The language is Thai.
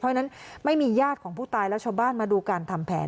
เพราะฉะนั้นไม่มีญาติของผู้ตายและชาวบ้านมาดูการทำแผน